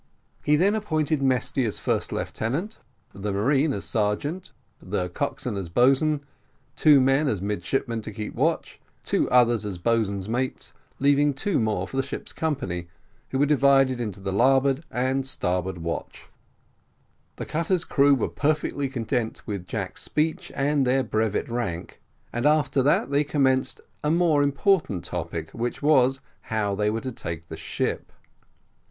He then appointed Mesty as first lieutenant; the marine as sergeant; the coxswain as boatswain; two men as midshipmen to keep watch: two others as boatswain's mates, leaving two more for the ship's company, who were divided into the larboard and starboard watch. The cutter's crew were perfectly content with Jack's speech, and their brevet rank, and after that they commenced a more important topic, which was, how they were to take the ship.